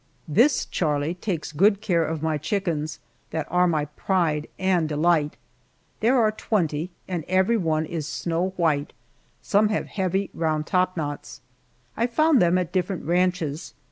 This Charlie takes good care of my chickens that are my pride and delight. There are twenty, and every one is snow white; some have heavy round topknots. I found them at different ranches.